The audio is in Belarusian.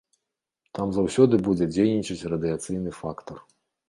Там заўсёды будзе дзейнічаць радыяцыйны фактар.